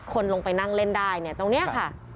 คนลงไปนั่งเล่นได้เนี่ยตรงนี้ค่ะ